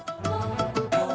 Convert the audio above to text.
nih aku tidur